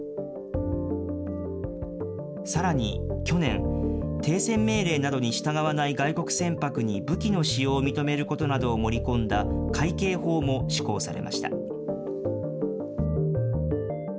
さらに去年、停船命令などに従わない外国船舶に武器の使用を認めることなどを盛り込んだ海警法も施行されました。